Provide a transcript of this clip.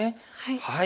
はい。